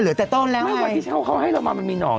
เหลือแต่ต้นแล้วไงมันเหรอที่เฉ้าให้เรามามันมีหน่อง